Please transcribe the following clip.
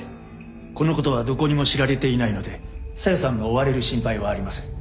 このことはどこにも知られていないので小夜さんが追われる心配はありません。